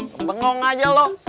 kebengong aja lu